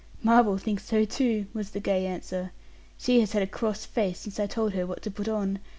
"Marvel thinks so, too," was the gay answer; "she has had a cross face since I told her what to put on.